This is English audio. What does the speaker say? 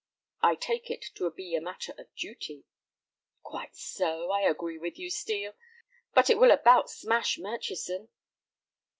"I take it to be a matter of duty." "Quite so; I agree with you, Steel. But it will about smash Murchison."